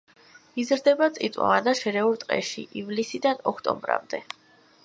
იზრდება წიწვოვან და შერეულ ტყეში ივლისიდან ოქტომბრამდე.